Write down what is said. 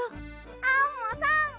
アンモさん！